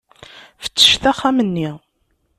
Fettcet axxam-nni.